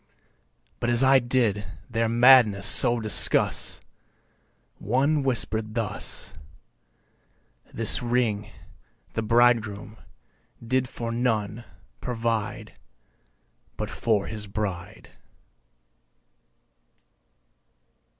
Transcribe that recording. But as I did their madness so discuss One whisper'd thus, "This Ring the Bridegroom did for none provide But for his bride."